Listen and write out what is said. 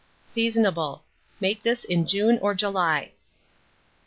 Seasonable. Make this in June or July.